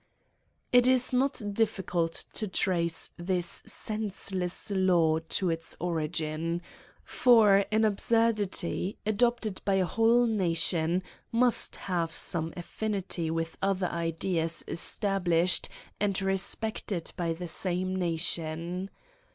It is not difficult to trace this senseless law to its origin ; for an absurdity, adopted by a whole nation, must have some affinity with other ideas established and respected by the same nation.